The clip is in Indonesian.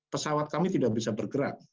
pesawat kami tidak bisa bergerak